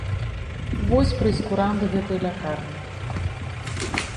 Вось прэйскурант гэтай лякарні.